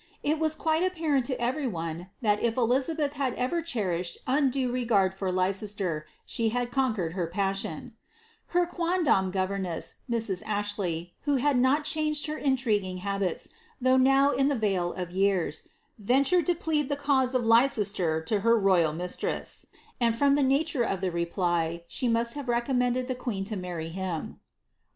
It was quite apparent to every one that if Elizabeth had shed undue regard for Leicester, she had conquered her pas* r quondam governess, Mrs. Ashley, who had not changed her habits, though now in the vale of years, ventured to plead the eicester to her royal mistress, and from the nature of the reply, have recommended the queen to marry him.